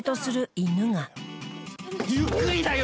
ゆっくりだよ！